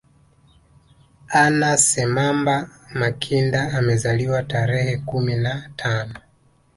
Anna Semamba Makinda amezaliwa tarehe kumi na tano